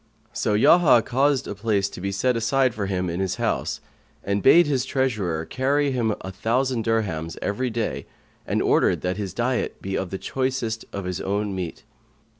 So Yahya caused a place to be set aside for him in his house and bade his treasurer carry him a thousand dirhams every day and ordered that his diet be of the choicest of his own meat.